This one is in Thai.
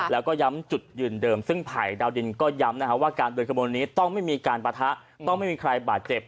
แล้วก็ย้ำจุดยืนเดิมซึ่งภัยดาวดินก็ย้ำนะครับว่าการเดินขบวนนี้ต้องไม่มีการปะทะต้องไม่มีใครบาดเจ็บ